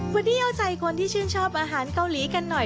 วันนี้เอาใจคนที่ชื่นชอบอาหารเกาหลีกันหน่อย